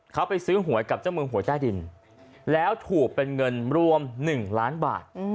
เขาไปซื้อหวยกับเจ้ามือหวยใต้ดินแล้วถูกเป็นเงินรวม๑ล้านบาท